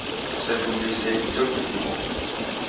Kusechumbise icho kipimo.